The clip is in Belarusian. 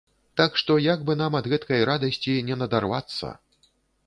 Так што, як бы нам ад гэткай радасці не надарвацца.